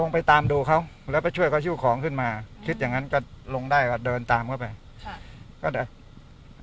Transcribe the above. องไปตามดูเขาแล้วไปช่วยก็ดูของขึ้นมาคิดอย่างนั้นก็ลงได้ก็เดินตามเข้าไปอ้าวทำให้มัน